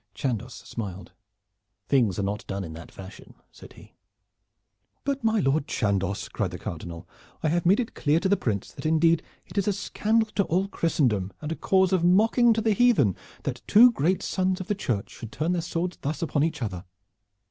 Chandos smiled. "Things are not done in that fashion," said he. "But my Lord Chandos," cried the Cardinal, "I have made it clear to the Prince that indeed it is a scandal to all Christendom and a cause of mocking to the heathen, that two great sons of the Church should turn their swords thus upon each other."